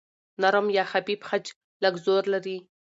نرم یا خفیف خج لږ زور لري.